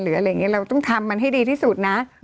เราต้องทำมันให้ดีที่สุดนะ